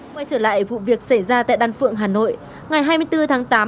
ngoài trở lại vụ việc xảy ra tại đàn phượng hà nội ngày hai mươi bốn tháng tám